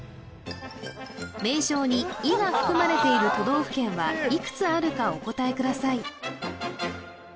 名称に「い」が含まれている都道府県はいくつあるかお答えください